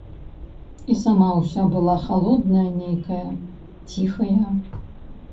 І сама ўся была халодная нейкая, ціхая.